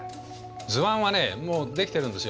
図案はねもうできてるんですよ。